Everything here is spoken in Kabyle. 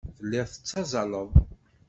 Telliḍ tettazzaleḍ.